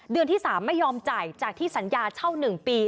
ที่๓ไม่ยอมจ่ายจากที่สัญญาเช่า๑ปี